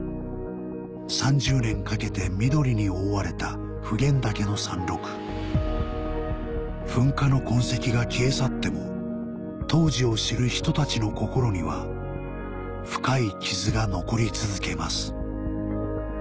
３０年かけて緑に覆われた普賢岳の山麓噴火の痕跡が消え去っても当時を知る人たちの心には深い傷が残り続けます